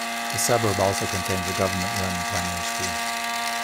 The suburb also contains a government run primary school.